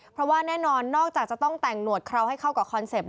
เพราะว่าแน่นอนนอกจากจะต้องแต่งหนวดเคราะห์ให้เข้ากับคอนเซ็ปต